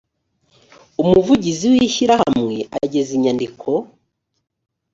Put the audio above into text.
umuvugizi w ishyirahamwe ageza inyandiko